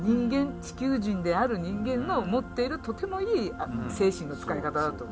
地球人である人間の持っているとてもいい精神の使い方だと。